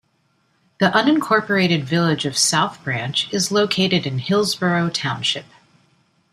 The unincorporated village of South Branch is located in Hillsborough Township.